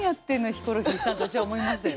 ヒコロヒーさん」って私は思いましたよ。